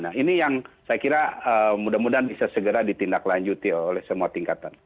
nah ini yang saya kira mudah mudahan bisa segera ditindaklanjuti oleh semua tingkatan